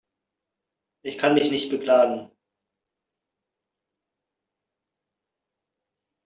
Ich kann mich nicht beklagen.